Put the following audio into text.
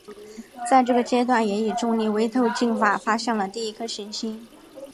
在这个阶段也以重力微透镜法发现了第一颗行星。